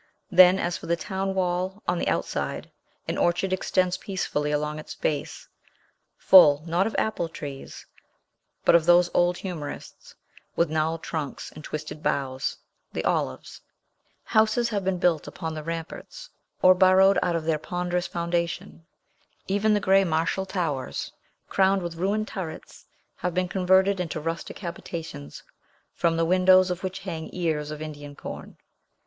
Then, as for the town wall, on the outside an orchard extends peacefully along its base, full, not of apple trees, but of those old humorists with gnarled trunks and twisted boughs, the olives. Houses have been built upon the ramparts, or burrowed out of their ponderous foundation. Even the gray, martial towers, crowned with ruined turrets, have been converted into rustic habitations, from the windows of which hang ears of Indian corn.